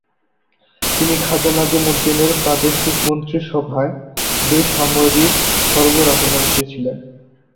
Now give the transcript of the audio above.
তিনি খাজা নাজিমুদ্দীনের প্রাদেশিক মন্ত্রিসভায় বেসামরিক সরবরাহ মন্ত্রী ছিলেন।